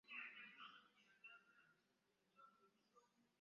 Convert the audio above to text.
Yawayizzaamu ne bannamawulire mu mboozi eya kafubo ku bigambo bya Nabakooba.